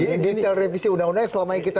jadi detail revisi undang undangnya selama ini kita